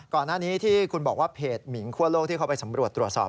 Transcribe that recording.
ก่อนหน้านี้ที่คุณบอกว่าเพจหมิงคั่วโลกที่เขาไปสำรวจตรวจสอบ